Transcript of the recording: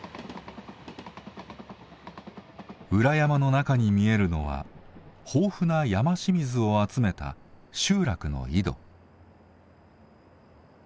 裏山の中に見えるのは豊富な山清水を集めた集落の井戸。